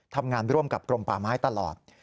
ทำงานร่วมกับกรมป่าไม้ตลอด